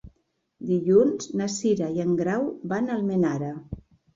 Dilluns na Cira i en Grau van a Almenara.